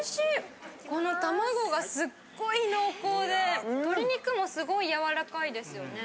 この卵がすっごい濃厚で鶏肉もすごい柔らかいですよね。